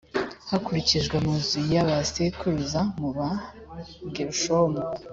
hakurikijwe amazu ya ba sekuruza mu bagerushomu